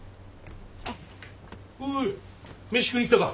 おお飯食いに来たか。